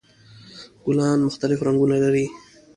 ګلان مختلف رنګونه لري.